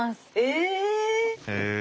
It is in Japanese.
へえ！